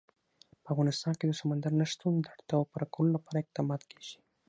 په افغانستان کې د سمندر نه شتون د اړتیاوو پوره کولو لپاره اقدامات کېږي.